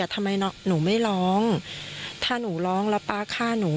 ทำไมหนูไม่ร้องถ้าหนูร้องแล้วป๊าฆ่าหนู